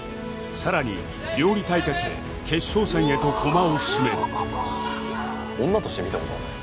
さらに料理対決で決勝戦へと駒を進め女として見た事はない。